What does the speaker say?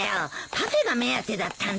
パフェが目当てだったんだね。